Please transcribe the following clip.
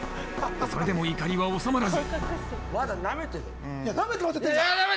それでも怒りは収まらず。